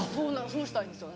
そうしたいんですよ